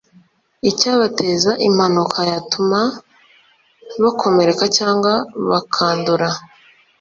icyabateza impanuka yatuma bakomereka cyangwa bakandura